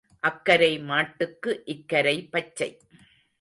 அக்கரை மாட்டுக்கு இக்கரை பச்சை.